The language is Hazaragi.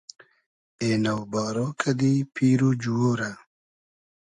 اېنۆ بارۉ کئدی پیر و جووۉ رۂ